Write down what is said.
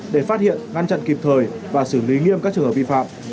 để phát hiện ngăn chặn kịp thời và xử lý nghiêm các trường hợp vi phạm